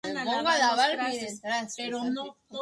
Basket Reykjavík.